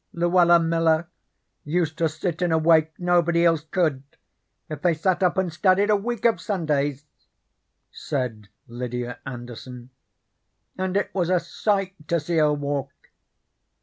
"Luella Miller used to sit in a way nobody else could if they sat up and studied a week of Sundays," said Lydia Anderson, "and it was a sight to see her walk.